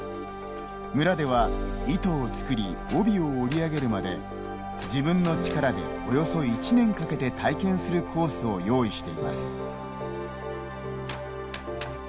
村では糸を作り帯を織り上げるまで自分の力でおよそ１年かけて体験するコースを用意しています。